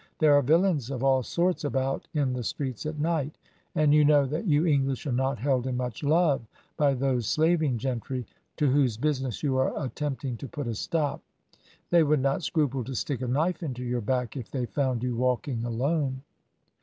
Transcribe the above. "There are villains of all sorts about in the streets at night, and you know that you English are not held in much love by those slaving gentry to whose business you are attempting to put a stop. They would not scruple to stick a knife into your back if they found you walking alone."